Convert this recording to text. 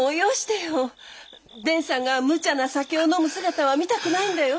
伝さんがむちゃな酒を飲む姿は見たくないんだよ。